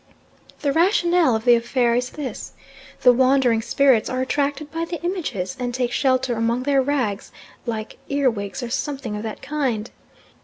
The rationale of the affair is this. The wandering spirits are attracted by the images, and take shelter among their rags, like earwigs or something of that kind.